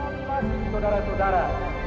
sekali lagi saudara saudara